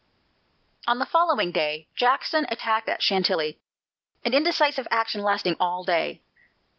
On the following day, Jackson again attacked at Chantilly, an indecisive action lasting all day.